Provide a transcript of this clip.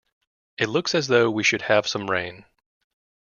It looks as though we should have some rain.